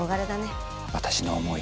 私の思い